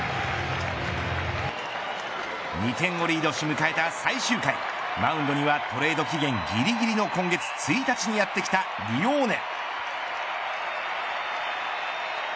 ２点をリードし迎えた最終回マウンドにはトレード期限ぎりぎりの今月１日にやって来たリオーネ。